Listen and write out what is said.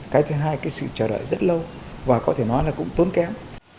cái thứ hai cái sự chờ đợi rất lâu và có thể nói là cũng tốn kém